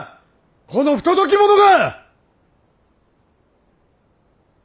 この不届き者が！